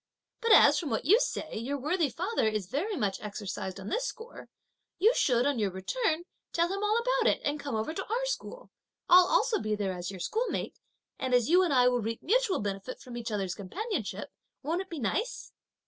But as, from what you say, your worthy father is very much exercised on this score, you should, on your return, tell him all about it, and come over to our school. I'll also be there as your schoolmate; and as you and I will reap mutual benefit from each other's companionship, won't it be nice!"